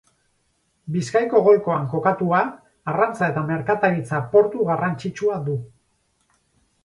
Bizkaiko golkoan kokatua, arrantza eta merkataritza portu garrantzitsua du.